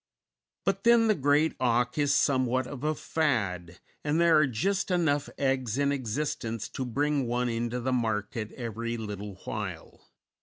But then, the great auk is somewhat of a fad, and there are just enough eggs in existence to bring one into the market every little while.